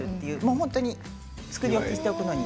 本当に作り置きしておくのに。